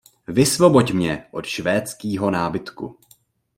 Vysvoboď mě od švédskýho nábytku!